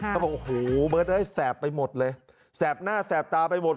เขาบอกโหเหมือนจะได้แสบไปหมดเลยแสบหน้าแสบตาไปหมด